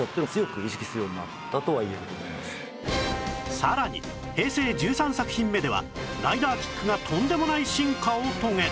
さらに平成１３作品目ではライダーキックがとんでもない進化を遂げる